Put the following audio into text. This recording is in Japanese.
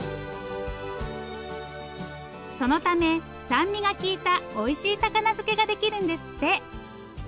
そのため酸味がきいたおいしい高菜漬けができるんですって。